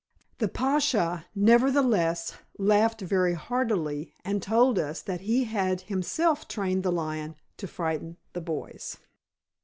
The pacha, nevertheless, laughed very heartily, and told us that he had himself trained the lion to frighten the boys.